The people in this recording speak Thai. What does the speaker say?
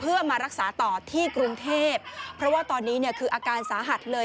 เพื่อมารักษาต่อที่กรุงเทพเพราะว่าตอนนี้เนี่ยคืออาการสาหัสเลย